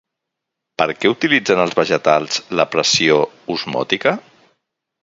Per què utilitzen els vegetals la pressió osmòtica?